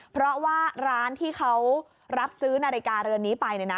เพราะว่าร้านที่เขารับซื้อนาฬิกาเรือนนี้ไป